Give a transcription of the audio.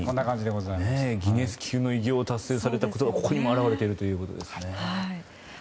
ギネス級の偉業を達成されたことがここにも表れているんですね。